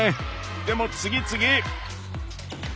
でも次次！